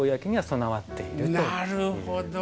なるほど。